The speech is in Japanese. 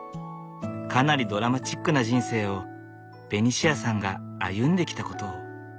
かなりドラマチックな人生をベニシアさんが歩んできたことを。